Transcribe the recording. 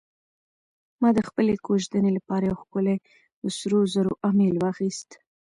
ما د خپلې کوژدنې لپاره یو ښکلی د سرو زرو امیل واخیست.